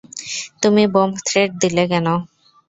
তুমি bomb threat দিলে কেন?